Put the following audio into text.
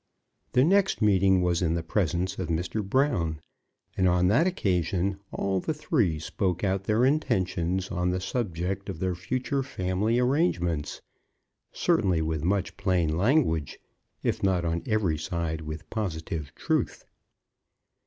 Their next meeting was in the presence of Mr. Brown; and on that occasion all the three spoke out their intentions on the subject of their future family arrangements, certainly with much plain language, if not on every side with positive truth.